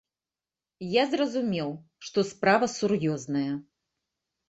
Я зразумеў, што справа сур'ёзная.